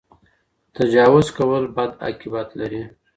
تجاوز کول بد عاقبت لري.